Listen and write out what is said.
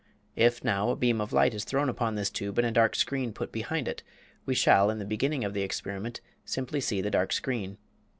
If now a beam of light is thrown upon this tube and a dark screen put behind it, we shall, in the beginning of the experiment, simply see the dark screen.